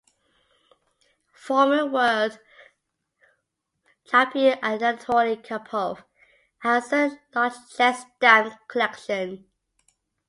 Former World Champion Anatoly Karpov has a large chess stamp collection.